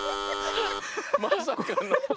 まさかの。